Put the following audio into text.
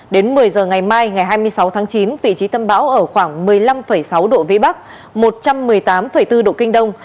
đến một mươi giờ ngày mai ngày hai mươi sáu tháng chín vị trí tâm bão ở khoảng một mươi năm sáu độ vĩ bắc một trăm một mươi tám bốn độ kinh đông